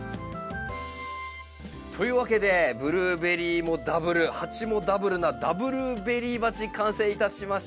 というわけでブルーベリーもダブル鉢もダブルなダブルベリー鉢完成いたしました。